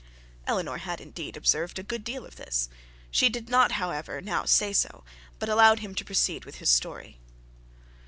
Eleanor had indeed observed a good deal of this; she did not however now say so, but allowed him to proceed with his story.